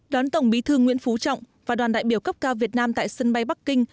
đón tổng bí thư nguyễn phú trọng và đoàn đại biểu cấp cao việt nam tại sân bay bắc kinh